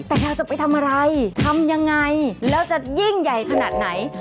แต่เราจะไปทำอะไรทำยังไงแล้วจะยิ่งใหญ่ขนาดไหน